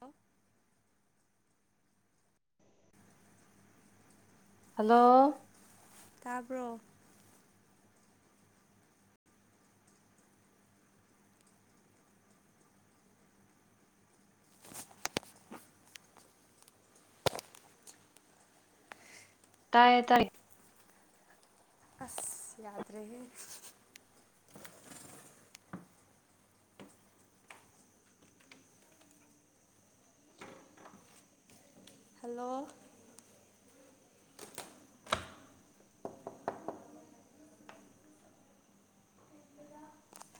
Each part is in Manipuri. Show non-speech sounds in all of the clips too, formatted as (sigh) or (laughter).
ꯍꯜꯂꯣ ꯍꯜꯂꯣ ꯇꯥꯕ꯭ꯔꯣ ꯇꯥꯏꯌꯦ ꯇꯥꯏ ꯑꯁ ꯌꯥꯗ꯭ꯔꯦꯍꯦ ꯍꯜꯂꯣ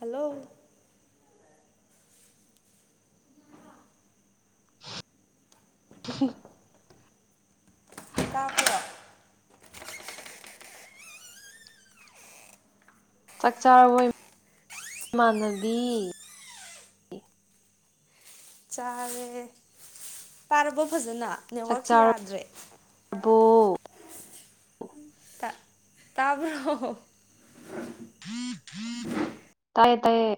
ꯍꯜꯂꯣ (unintelligible) ꯇꯥꯕ꯭ꯔꯣ ꯆꯥꯛ ꯆꯥꯔꯕꯣ ꯏꯃꯥꯟꯅꯕꯤ ꯆꯥꯔꯦ ꯇꯥꯔꯕꯣ ꯐꯖꯟꯅ ꯆꯥꯛꯆꯥꯔ ꯕꯣ ꯇꯥꯕꯔꯣ ꯇꯥꯏꯌꯦ ꯇꯥꯏꯌꯦ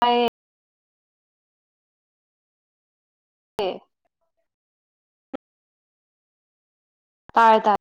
ꯇꯥꯏꯌꯦ ꯑꯦ ꯇꯥꯏꯔꯦ ꯇꯥꯏ